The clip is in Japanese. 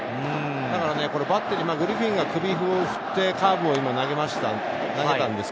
だからバッテリー、グリフィンが首を振ってカーブを投げました。